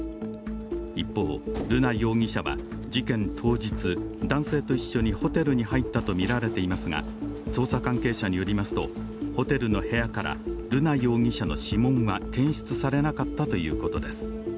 一方、瑠奈容疑者は事件当日男性と一緒にホテルに入ったとみられていますが、捜査関係者によりますと、ホテルの部屋から瑠奈容疑者の指紋は検出されなかったということです。